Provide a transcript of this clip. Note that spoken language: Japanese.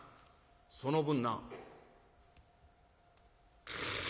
「その分な」。